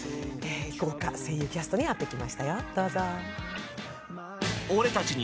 豪華声優キャストに会ってきましたよ。